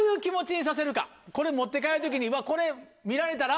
これ持って帰る時にこれ見られたら。